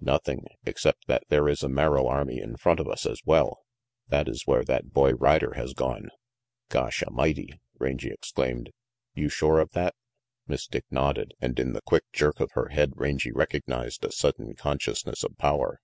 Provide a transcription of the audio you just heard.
"Nothing, except that there is a Merrill army in front of us as well. That is where that boy rider has gone." "Gosh A'mighty," Rangy exclaimed. "You sure of that?" Miss Dick nodded, and in the quick jerk of her head Rangy recognized a sudden consciousness of power.